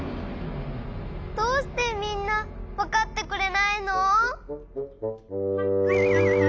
どうしてみんなわかってくれないの！？